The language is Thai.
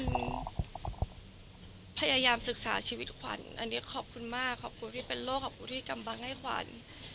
พยายามศึกษาชีวิตขวัญอันนี้ขอบคุณมากขอบคุณที่เป็นโลกขอบคุณที่กำบังให้ขวัญ